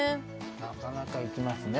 なかなかいきますね